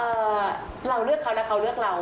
เอ่อเราเลือกเขาและเขาเลือกเรา